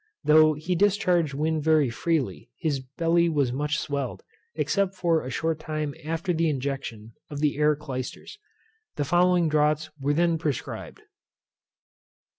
Though he discharged wind very freely, his belly was much swelled, except for a short time after the injection of the air clysters. The following draughts were then prescribed.